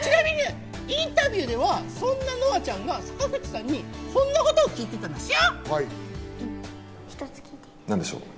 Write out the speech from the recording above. ちなみにインタビューではそんな乃愛ちゃんが坂口さんにこんなことを聞いてたなっしーよ！